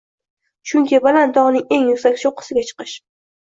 Chunki baland tog'ning eng yuksak cho'qqisiga chiqish